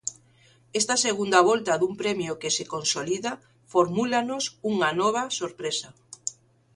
Esta segunda volta dun premio que se consolida formúlanos unha nova sorpresa.